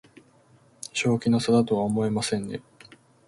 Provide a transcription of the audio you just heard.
正気の沙汰とは思えませんね